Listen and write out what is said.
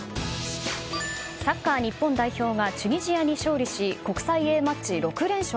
サッカー日本代表がチュニジアに勝利し国際Ａマッチ６連勝。